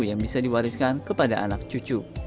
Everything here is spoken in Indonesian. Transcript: yang bisa diwariskan kepada anak cucu